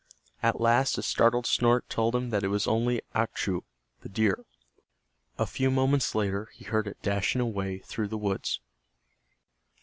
At last a startled snort told him that it was only Achtu, the deer. A few moments later he heard it dashing away through the woods.